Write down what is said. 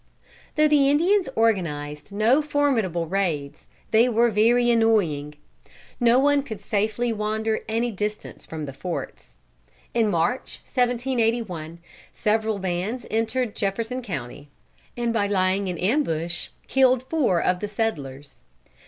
Though the Indians organized no formidable raids, they were very annoying. No one could safely wander any distance from the forts. In March, 1781, several bands entered Jefferson County, and by lying in ambush killed four of the settlers.